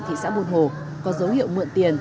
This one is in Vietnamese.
thị xã buôn hồ có dấu hiệu mượn tiền